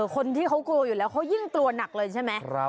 คนที่เขากลัวอยู่แล้วเขายิ่งกลัวหนักเลยใช่ไหม